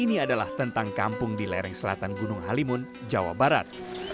ini adalah tentang kampung di lereng selatan gunung halimun jawa barat